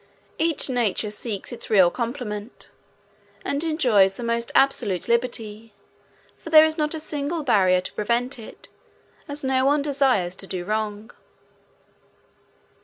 Each nature seeks its real complement, and enjoys the most absolute liberty, for there is not a single barrier to prevent it, as no one desires to do wrong.